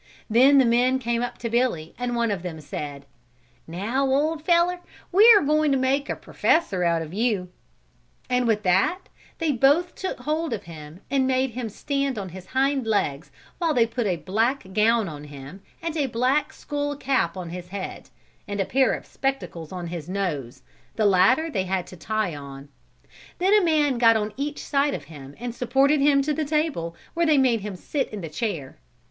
Then the men came up to Billy and one of them said: "Now, old fellow, we are going to make a professor out of you," and with that they both took hold of him and made him stand on his hind legs while they put the black gown on him and a black skull cap on his head, and a pair of spectacles on his nose, the latter they had to tie on. Then a man got on each side of him and supported him to the table where they made him sit in the chair.